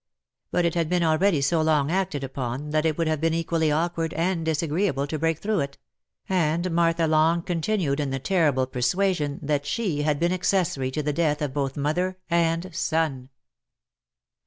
But it had been already so long acted upon, that it would have been equally awkward and disagreeable to break through it ; and Martha long continued in the terrible persuasion that she had been accessory to the death of both mother and son.